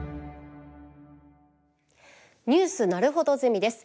「ニュースなるほどゼミ」です。